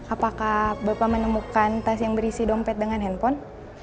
apakah bapak menemukan tas yang berisi dompet dengan handphone